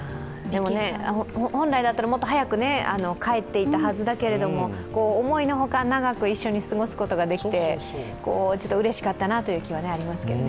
本来だったらもっと早く帰っていたはずだけど、思いの外、長く過ごすことができてちょっとうれしかったなという気持ちはありますね。